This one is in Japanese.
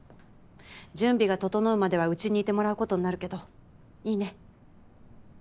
準備が整うまではうちにいてもらうことになるけどいいね？